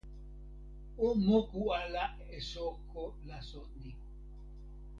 o moku ala e soko laso ni.